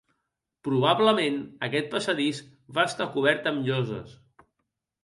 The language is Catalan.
Probablement aquest passadís va estar cobert amb lloses.